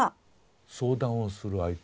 相談をする相手。